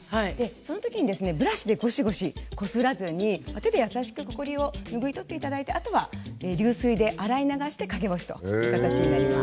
その時に、ブラシでゴシゴシこすらずに手で優しくほこりを拭い取っていただいてあとは流水で洗い流して陰干しといった形になります。